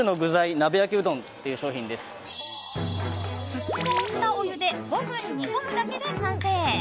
沸騰したお湯で５分煮込むだけで完成。